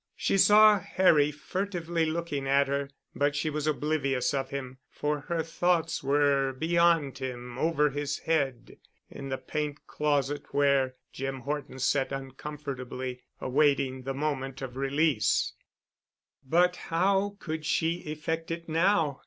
She saw Harry furtively looking at her, but she was oblivious of him, for her thoughts were beyond him, over his head, in the paint closet where Jim Horton sat uncomfortably, awaiting the moment of release But how could she effect it now?